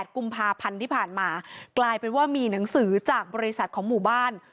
กุมภาพันธ์ที่ผ่านมากลายเป็นว่ามีหนังสือจากบริษัทของหมู่บ้าน